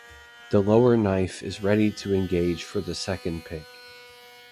The lower knife is ready to engage for the second pick.